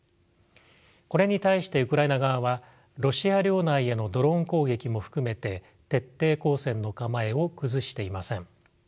これに対してウクライナ側はロシア領内へのドローン攻撃も含めて徹底抗戦の構えを崩していません。